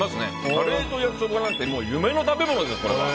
カレーと焼きそばなんて夢の食べ物です。